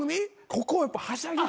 ここはやっぱはしゃぎ過ぎ。